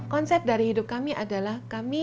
konsep dari hidup kami adalah kami